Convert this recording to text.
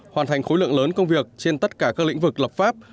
hoàn thành khối lượng lớn công việc trên tất cả các lĩnh vực lập pháp